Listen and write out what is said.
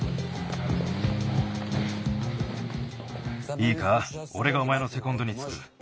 いいかおれがおまえのセコンドにつく。